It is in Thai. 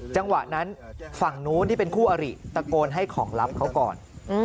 จังหวะนั้นฝั่งนู้นที่เป็นคู่อริตะโกนให้ของลับเขาก่อน